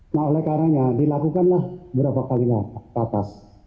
nah oleh karanya dilakukanlah beberapa kali lah patas